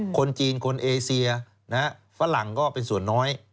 คนจีนคนเอเซียฝรั่งก็เป็นส่วนน้อย